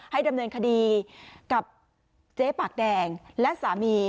ดำเนินคดีกับเจ๊ปากแดงและสามี